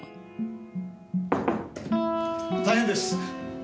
大変です！